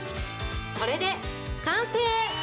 これで完成。